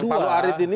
yang palu arit ini